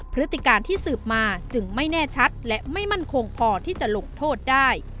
พฤติการที่สืบมาจึงไม่แน่ชัดและไม่มั่นคงพอที่จะลงโทษได้